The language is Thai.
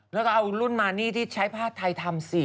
แล้วก็เอารุ่นมานี่ที่ใช้ผ้าไทยทำสิ